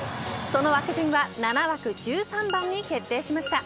その枠順は７枠１３番に決定しました。